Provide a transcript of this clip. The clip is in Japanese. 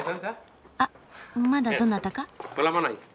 あっまだどなたか？